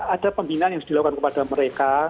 ada pembinaan yang harus dilakukan kepada mereka